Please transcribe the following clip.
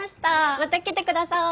また来て下さい。